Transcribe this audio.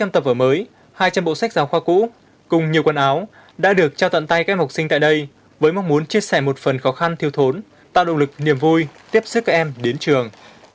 một năm tập vở mới hai trăm linh bộ sách giáo khoa cũ cùng nhiều quần áo đã được trao tận tay các em học sinh tại đây với mong muốn chia sẻ một phần khó khăn thiêu thốn tạo động lực niềm vui tiếp sức các em đến trường